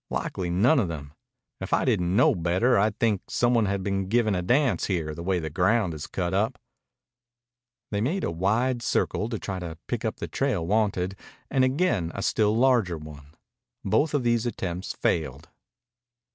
Likely none of 'em. If I didn't know better I'd think some one had been givin' a dance here, the way the ground is cut up." They made a wide circle to try to pick up the trail wanted, and again a still larger one. Both of these attempts failed.